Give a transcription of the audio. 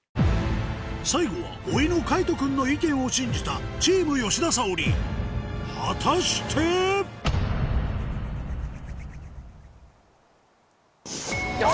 最後は甥のかいと君の意見を信じたチーム吉田沙保里果たして⁉お！